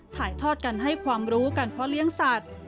ถ่ายทอดกันให้ความรู้กันเพราะเลี้ยงสัตว์